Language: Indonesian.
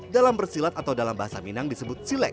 dalam bersilat atau dalam bahasa minang disebut silek